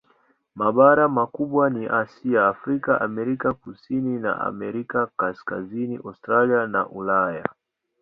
Mabara makubwa ni Asia, Afrika, Amerika Kusini na Amerika Kaskazini, Australia na Ulaya.